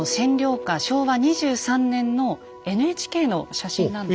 昭和２３年のＮＨＫの写真なんですが。